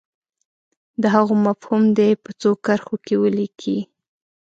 د هغو مفهوم دې په څو کرښو کې ولیکي.